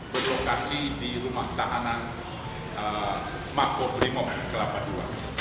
berlokasi di rumah tahanan mako brimob kelapa ii